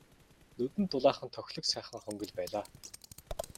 Нүдэнд дулаахан тохилог сайхан хонгил байлаа.